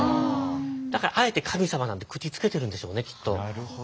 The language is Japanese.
だからあえて神様なので口付けてるんでしょうねきっと。